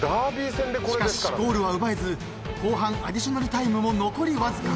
［しかしゴールは奪えず後半アディショナルタイムも残りわずか］